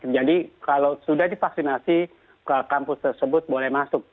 jadi kalau sudah divaksinasi ke kampus tersebut boleh masuk